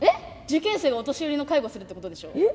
受験生がお年寄りの介護するってことでしょ？え？